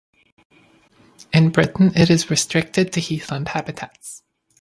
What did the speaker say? In Britain it is restricted to heathland habitats.